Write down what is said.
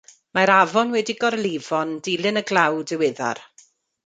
Mae'r afon wedi gorlifo yn dilyn y glaw diweddar.